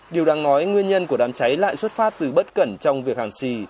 điều đáng nói nguyên nhân của đám cháy lại xuất phát từ bất cẩn trong việc hàng xì